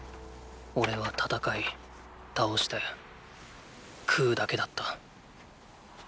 おれは戦い倒して喰うだけだった。